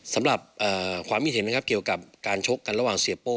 สำหรับความคิดเห็นนะครับเกี่ยวกับการชกกันระหว่างเสียโป้